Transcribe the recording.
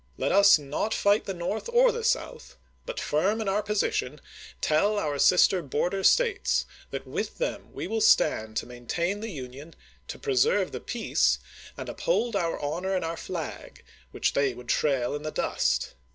.. Let us not fight the North or the South, but, firm in our position, tell our sister border States that with them we will stand to maintain the Union, to preserve the peace, and iiphold our honor and our flag, which they would trail in the dust.